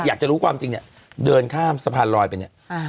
อยากจะรู้ความจริงเนี่ยเดินข้ามสะพานลอยไปเนี่ย